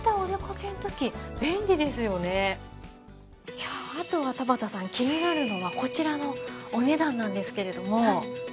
いやあとは田畑さん気になるのはこちらのお値段なんですけれども。